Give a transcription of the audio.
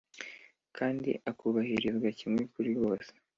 Kandi akubahirizwa kimwe kuri bose